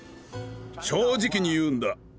正直に言うんだ。